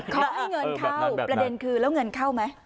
ขอให้เงินเข้าประเด็นคือแล้วเงินเข้าไหม